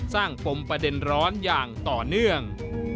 ปมประเด็นร้อนอย่างต่อเนื่อง